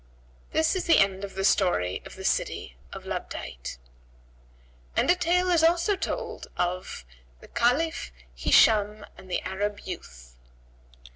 This is the end of the story of the City of Labtayt. And a tale is also told of THE CALIPH HISHAM AND THE ARAB YOUTH.